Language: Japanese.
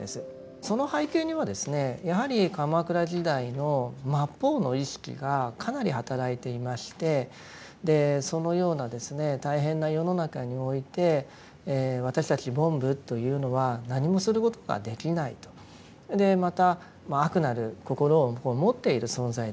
その背景にはですねやはり鎌倉時代の末法の意識がかなり働いていましてでそのような大変な世の中において私たち凡夫というのは何もすることができないと。でまた悪なる心を持っている存在だと。